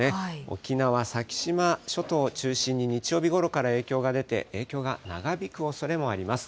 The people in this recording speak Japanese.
沖縄・先島諸島を中心に、日曜日ごろから影響が出て、影響が長引くおそれもあります。